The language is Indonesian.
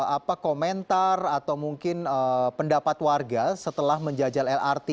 apa komentar atau mungkin pendapat warga setelah menjajal lrt